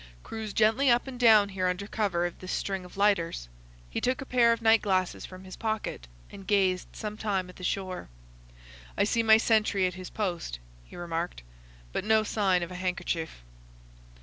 "Cruise gently up and down here under cover of this string of lighters." He took a pair of night glasses from his pocket and gazed some time at the shore. "I see my sentry at his post," he remarked, "but no sign of a handkerchief."